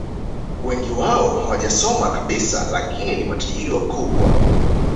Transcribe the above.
Wengi wao hawajasoma kabisa lakini ni matajiri wakubwa